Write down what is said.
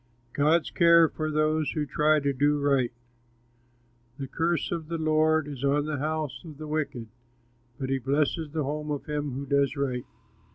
GOD'S CARE FOR THOSE WHO TRY TO DO RIGHT The curse of the Lord is on the house of the wicked, But he blesses the home of him who does right.